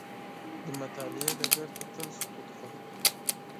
د مطالعې ډګر کې تل سکوت خوښ دی.